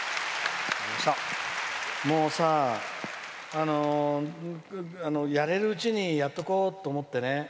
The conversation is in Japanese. もうさ、やれるうちにやっとこうと思ってね。